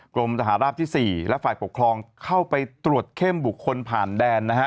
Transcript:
กรมทหารราบที่๔และฝ่ายปกครองเข้าไปตรวจเข้มบุคคลผ่านแดนนะฮะ